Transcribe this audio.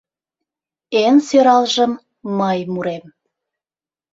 Эн сӧралжым мый мурем